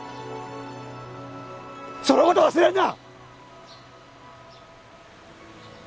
そのことを忘れるな！